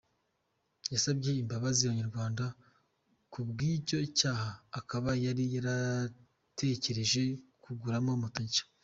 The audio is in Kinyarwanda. Yasabye imbabazi Abanyarwanda ku bw’icyo cyaha, akaba yari yaratekereje kuguramo moto nshya.